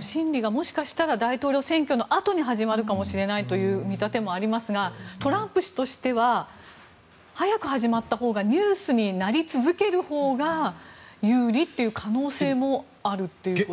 審理がもしかしたら大統領選挙のあとに始まるかもしれないという見立てもありますがトランプ氏としては早く始まったほうがニュースになり続けるほうが有利という可能性もあるということですか。